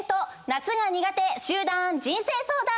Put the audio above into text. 夏が苦手集団人生相談！